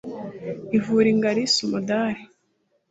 ivura ingarisi umudari